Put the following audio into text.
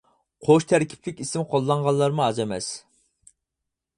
قوش تەركىبلىك ئىسىم قوللانغانلارمۇ ئاز ئەمەس.